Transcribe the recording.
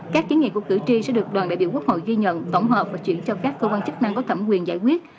các kiến nghị của cử tri sẽ được đoàn đại biểu quốc hội ghi nhận tổng hợp và chuyển cho các cơ quan chức năng có thẩm quyền giải quyết